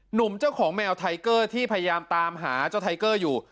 หนุ่มเจ้าของแมวไทเกอร์ที่พยายามตามหาเจ้าไทเกอร์อยู่